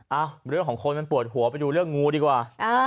เรื่องของคนมันปวดหัวไปดูเรื่องงูดีกว่า